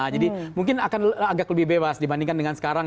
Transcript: jadi mungkin akan agak lebih bebas dibandingkan dengan sekarang